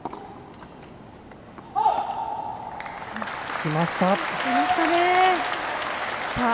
きました。